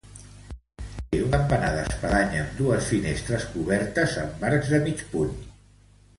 Té un campanar d'espadanya amb dues finestres cobertes amb arcs de mig punt.